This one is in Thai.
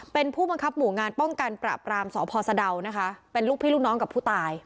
เป็นผู้บังคับหมู่งานป้องกันปราบรามสพสะดาวนะคะเป็นลูกพี่ลูกน้องกับผู้ตาย